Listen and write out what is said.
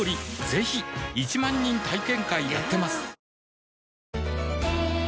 ぜひ１万人体験会やってますはぁ。